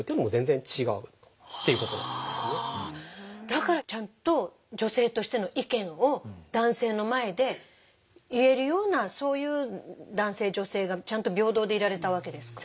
だからちゃんと女性としての意見を男性の前で言えるようなそういう男性女性がちゃんと平等でいられたわけですか。